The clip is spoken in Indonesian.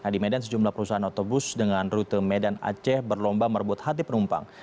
di medan sejumlah perusahaan otobus dengan rute medan aceh berlomba merebut hati penumpang